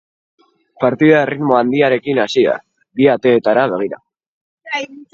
Partida erritmo handiarekin hasi da, bi ateetara begira.